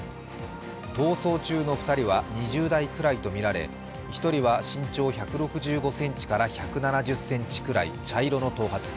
逃走中の２人は２０代くらいとみられ１人は身長１６５ｃｍから１７０ｃｍくらい、茶色の頭髪。